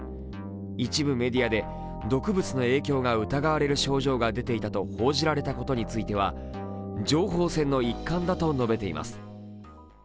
一部メディアで毒物の影響が疑われる症状が出ていたと報じられたことについては情報戦の一環だと述べています。